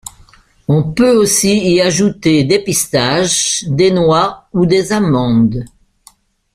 On peut aussi y ajouter des pistaches, des noix, ou des amandes.